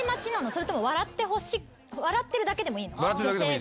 それとも笑ってるだけでもいいの？